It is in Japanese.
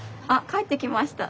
帰ってきました。